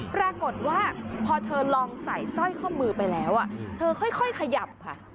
ปรากฏว่าพอเธอลองใส่สร้อยข้อมือไปแล้วเธอค่อยขยับค่ะ